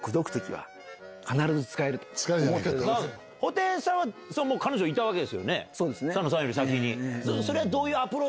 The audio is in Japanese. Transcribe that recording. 布袋さんは彼女いたわけですよね佐野さんより先に。